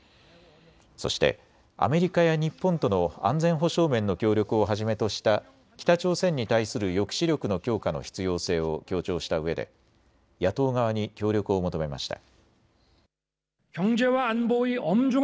そしてアメリカや日本との安全保障面の協力をはじめとした北朝鮮に対する抑止力の強化の必要性を強調したうえで野党側に協力を求めました。